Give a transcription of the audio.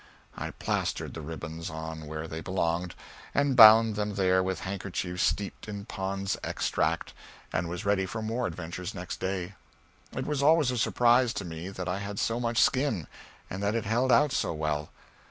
I plastered the ribbons on where they belonged, and bound them there with handkerchiefs steeped in Pond's Extract, and was ready for more adventures next day. It was always a surprise to me that I had so much skin, and that it held out so well.